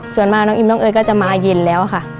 ส่วนมาน้องอิมน้องเอ๋ยก็จะมาเย็นแล้วค่ะ